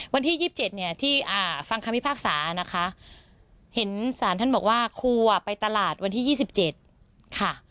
วันที่๒๗เนี่ยที่ฟังคำพิพากษานะคะเห็นสารท่านบอกว่าครูไปตลาดวันที่๒๗ค่ะ